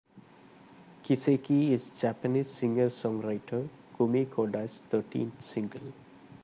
"Kiseki" is Japanese singer-songwriter Kumi Koda's thirteenth single.